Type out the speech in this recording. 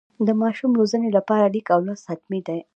د ماشوم روزنې لپاره لیک او لوست حتمي ده.